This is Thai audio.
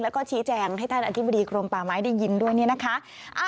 แล้วก็ชี้แจงให้ท่านอธิบดีกรมป่าไม้ได้ยินด้วยเนี่ยนะคะ